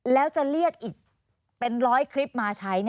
แล้วจะเรียกอีกเป็นร้อยคลิปมาใช้